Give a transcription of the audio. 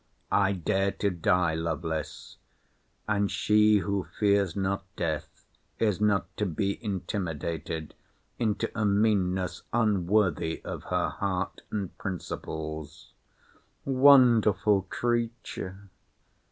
—I dare to die, Lovelace—and she who fears not death, is not to be intimidated into a meanness unworthy of her heart and principles! Wonderful creature!